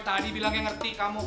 tadi bilang yang ngerti kamu